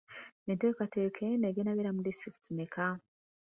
Entekateka eno egenda kubeera mu disitulikiti mmeka?